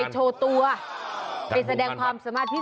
ไปโชว์ตัวไปแสดงความสามารถพิเศษ